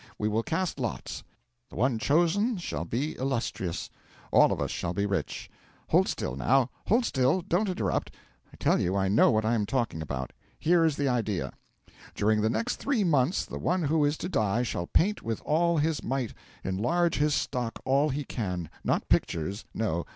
We will cast lots. The one chosen shall be illustrious, all of us shall be rich. Hold still, now hold still; don't interrupt I tell you I know what I am talking about. Here is the idea. During the next three months the one who is to die shall paint with all his might, enlarge his stock all he can not pictures, no!